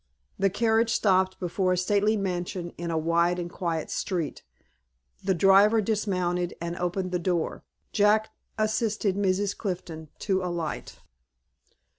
The carriage stopped before a stately mansion in a wide and quiet street. The driver dismounted, and opened the door. Jack assisted Mrs. Clifton to alight.